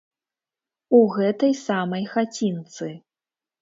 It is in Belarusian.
У гэтай самай хацінцы.